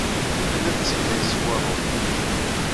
Tella tettegliliz deg waluḍ.